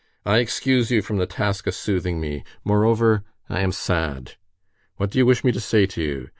I excuse you from the task of soothing me. Moreover, I am sad. What do you wish me to say to you?